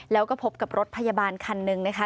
แล้วก็พบกับรถพยาบาลคันหนึ่งนะคะ